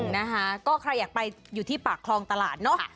นะคะก็ใครอยากไปอยู่ที่ปากคลองตลาดเนาะ